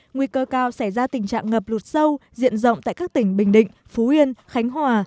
nguy cơ cao xảy ra tình trạng ngập lụt sâu diện rộng tại các tỉnh bình định phú yên khánh hòa